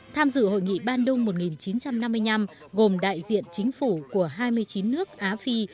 tham dự hội nghị ban đông một nghìn chín trăm năm mươi năm gồm đại diện chính phủ của hai mươi chín nước á phi